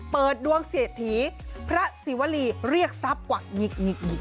เปิดดวงเศรษฐีพระศิวรีเรียกทรัพย์กวักหงิกหงิก